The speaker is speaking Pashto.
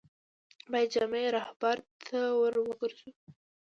باید جامع رهبرد ته ور وګرځو.